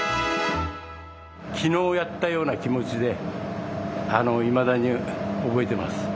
昨日やったような気持ちでいまだに覚えてます。